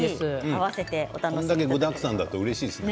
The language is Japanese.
これだけ具だくさんだとうれしいですね。